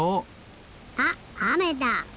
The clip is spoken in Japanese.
あっあめだ！